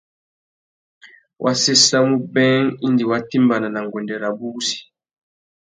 Wa séssamú being indi wa timbāna nà nguêndê rabú wussi.